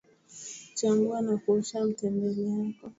chambua na kuosha mtembele yako